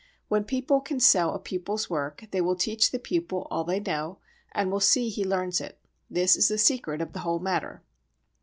When people can sell a pupil's work, they will teach the pupil all they know and will see he learns it. This is the secret of the whole matter.